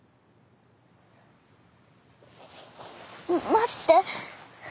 待って！